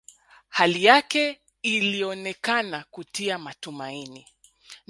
Hali yake ilionekana kutia matumaini